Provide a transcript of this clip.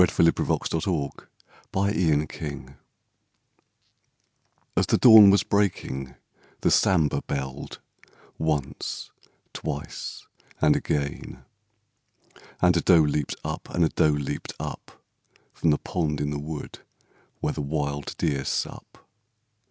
Hunting Song of the Seeonee Pack As the dawn was breaking the Sambhur belled Once, twice and again! And a doe leaped up, and a doe leaped up From the pond in the wood where the wild deer sup.